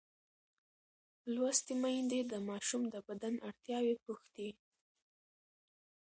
لوستې میندې د ماشوم د بدن اړتیاوې پوښتي.